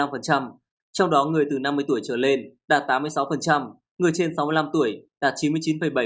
trong đó người từ năm mươi tuổi trở lên đạt tám mươi sáu người trên sáu mươi năm tuổi đạt chín mươi chín bảy